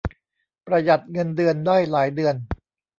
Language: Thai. ประหยัดเงินเดือนได้หลายเดือน